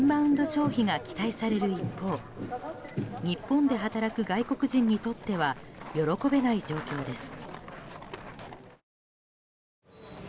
消費が期待される一方日本で働く外国人にとっては喜べない状況です。